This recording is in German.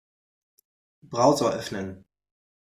Browser öffnen.